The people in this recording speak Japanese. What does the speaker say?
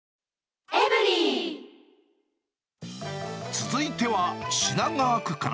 続いては、品川区から。